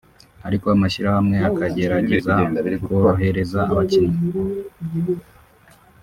ariko amashyirahamwe akagerageza korohereza abakinnyi